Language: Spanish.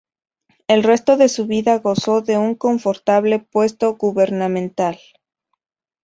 El resto de su vida gozó de un confortable puesto gubernamental.